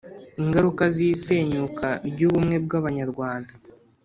Ingaruka z isenyuka ry ubumwe bw Abanyarwanda